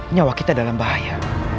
nyawa kita dalam bahaya